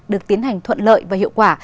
được tiến hành thuận lợi và hiệu quả